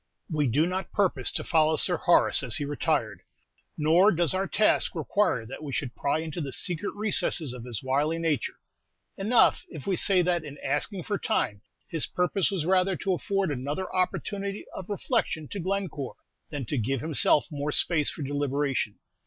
We do not purpose to follow Sir Horace as he retired, nor does our task require that we should pry into the secret recesses of his wily nature; enough if we say that in asking for time, his purpose was rather to afford another opportunity of reflection to Glencore than to give himself more space for deliberation.